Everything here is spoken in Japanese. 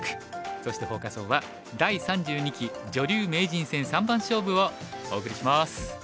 そしてフォーカス・オンは「第３２期女流名人戦三番勝負」をお送りします。